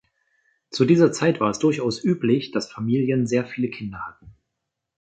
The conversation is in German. Zu dieser Zeit war es durchaus üblich, dass Familien sehr viele Kinder hatten.